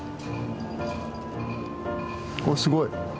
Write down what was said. おっすごい！